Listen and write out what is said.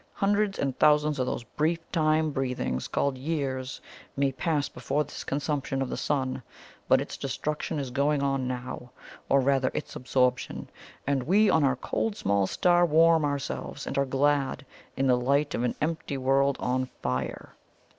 Hundreds of thousands of those brief time breathings called years may pass before this consummation of the Sun; but its destruction is going on now, or rather its absorption and we on our cold small star warm ourselves, and are glad, in the light of an empty world on fire!"